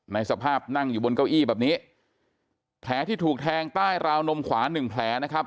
ในสภาพนั่งอยู่บนเก้าอี้แบบนี้แผลที่ถูกแทงใต้ราวนมขวาหนึ่งแผลนะครับ